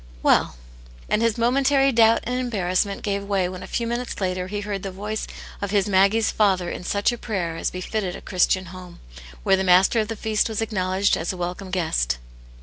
"Well." ',' And his momentary doubt and embarrassment gave way when a few minutes later he heard the' Auni Jattc^s Hero, X43 voice of his Maggie's father in such a prayer as be fitted a Christian home, where the Master of the feast was acknowledged as a welcome Guest.